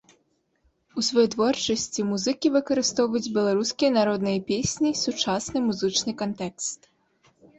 У сваёй творчасці музыкі выкарыстоўваюць беларускія народныя песні і сучасны музычны кантэкст.